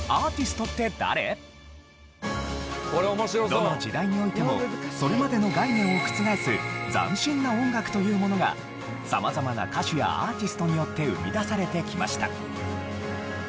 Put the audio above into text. どの時代においてもそれまでの概念を覆す斬新な音楽というものが様々な歌手やアーティストによって生み出されてきました。